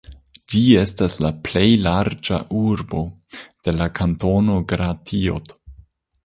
Ĝi estas la plej larĝa urbo de la kantono Gratiot.